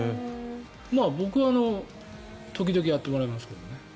僕は時々やってもらいますけどね。